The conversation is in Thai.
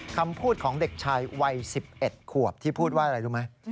คำพูดของเด็กชายวัย๑๑ขวบที่พูดว่าอะไรรู้ไหม